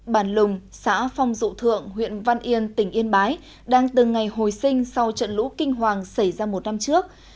bản lùng xã phong dụ thượng huyện văn yên tỉnh yên bái đang từng ngày hồi sinh sau trận lũ kinh hoàng xảy ra một năm trước